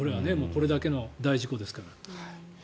これだけの大事故ですから。